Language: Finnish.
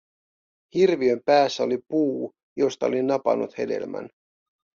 Hirviön päässä oli puu, josta olin napannut hedelmän.